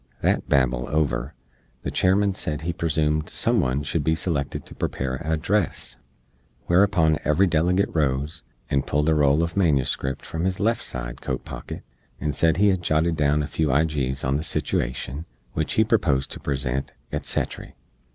That Babel over, the Chairman sed he presoomed some one shood be selected to prepare a address; whereupon every delegate rose, and pulled a roll uv manuscript from his left side coat pocket, and sed he had jotted down a few ijees on the situashn, wich he proposed to present, et settry.